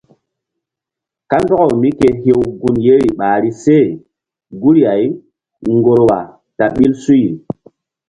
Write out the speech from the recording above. Kandɔkaw míke hew gun yeri ɓahri se guri-ay ŋgorwa ta ɓil suy.